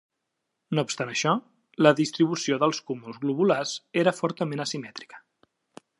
No obstant això, la distribució dels cúmuls globulars era fortament asimètrica.